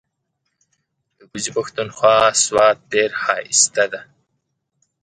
ده کوزی پښتونخوا سوات ډیر هائسته دې